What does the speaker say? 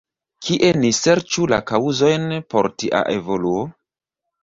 Kie ni serĉu la kaŭzojn por tia evoluo?